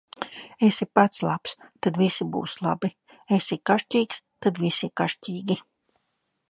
Esi pats labs, tad visi būs labi; esi kašķīgs, tad visi kašķīgi.